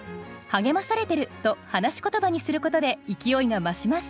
「励まされてる」と話し言葉にすることで勢いが増します。